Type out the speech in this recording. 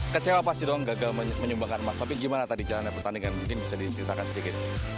kecewa pasti dong gagal menyumbangkan emas tapi gimana tadi jalannya pertandingan mungkin bisa diceritakan sedikit